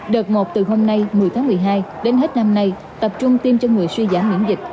đợt một từ hôm nay một mươi tháng một mươi hai đến hết năm nay tập trung tiêm cho người suy giảm miễn dịch